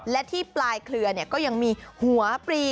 และที่ปลายเครือก็ยังมีหัวปลี